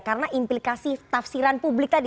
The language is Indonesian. karena implikasi tafsiran publik tadi